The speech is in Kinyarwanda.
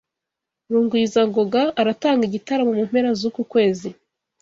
Rugwizangoga aratanga igitaramo mu mpera zuku kwezi.